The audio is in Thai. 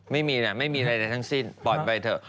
ไม่มีนะไม่มีอะไรทั้งสิ้นปล่อยไปเถอะ